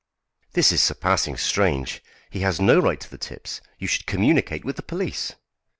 "This is surpassing strange. He has no right to the tips. You should communicate with the police."